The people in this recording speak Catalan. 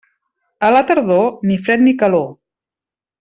A la tardor, ni fred ni calor.